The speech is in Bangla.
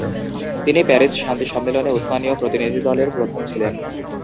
তিনি প্যারিস শান্তি সম্মেলনে উসমানীয় প্রতিনিধিদলের প্রধান ছিলেন।